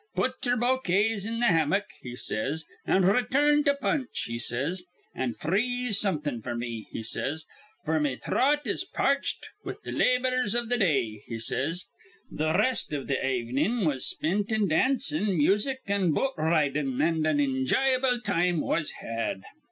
'Put ye'er bokays in th' hammick,' he says, 'an' return to Punch,' he says; 'an' freeze somethin' f'r me,' he says, 'f'r me thrawt is parched with th' labors iv th' day,' he says. Th' r rest iv th' avenin' was spint in dancin,' music, an' boat r ridin'; an' an inj'yable time was had.